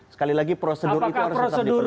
sekali lagi prosedur itu harus tetap diperlukan